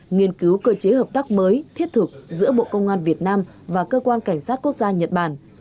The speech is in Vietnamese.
nghiên cứu cơ chế hợp tác mới thiết thực giữa bộ công an việt nam và cơ quan cảnh sát quốc gia nhật bản